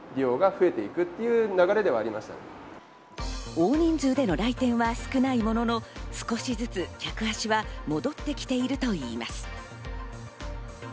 大人数での来店は少ないものの、少しずつ客足は戻ってきているといいます。